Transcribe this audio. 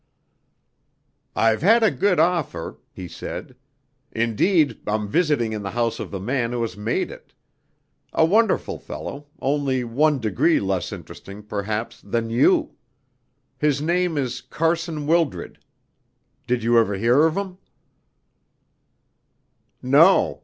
"I've had a good offer," he said; "indeed, I'm visiting in the house of the man who has made it a wonderful fellow, only one degree less interesting, perhaps, than you. His name is Carson Wildred. Did you ever hear of him?"